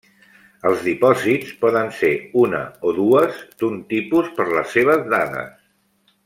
Els dipòsits poden ser una o dues d'un tipus per les seves dades.